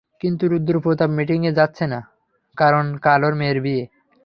কিন্তু রুদ্র প্রতাপ মিটিং এ যাচ্ছে না, কারণ কাল ওর মেয়ের বিয়ে।